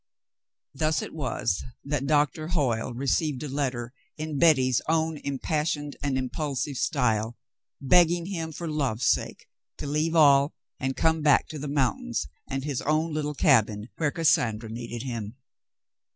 Thus it was that Doctor Hoyle received a letter in Betty's own impassioned and impulsive style, begging him, for love's sake, to leave all and come back to the mountains and his own little cabin, where Cassandra needed him.